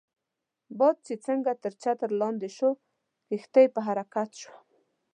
باد چې څنګه تر چترۍ لاندې شو، کښتۍ په حرکت شوه.